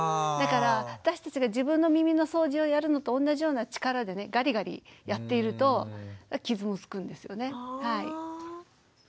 だから私たちが自分の耳の掃除をやるのと同じような力でねガリガリやっていると傷もつくんですよね。